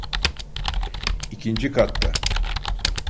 İkinci katta.